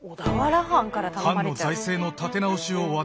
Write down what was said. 藩の財政の立て直しを私に。